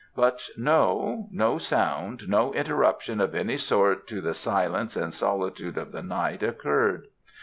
But no, no sound, no interruption of any sort to the silence and solitude of the night occurred.